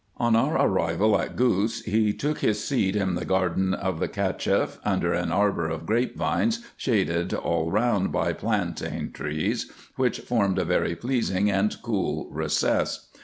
On our arrival at Gous, he took his seat in the garden of the Cacheff, under an arbour of grape vines, shaded all round by plantain trees, which formed a very pleasing and cool recess.